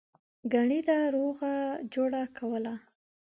گني ده روغه جوړه کوله.